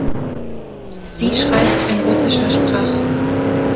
Sie schreibt in russischer Sprache.